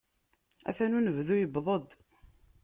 Atan unebdu yewweḍ-d.